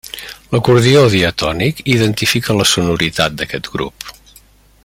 L'acordió diatònic identifica la sonoritat d'aquest grup.